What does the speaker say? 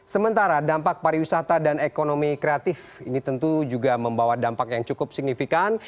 sementara dampak pariwisata dan ekonomi kreatif ini tentu juga membawa dampak yang cukup signifikan